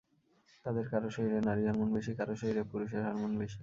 তাঁদের কারও শরীরে নারী হরমোন বেশি, কারও শরীরে পুরুষের হরমোন বেশি।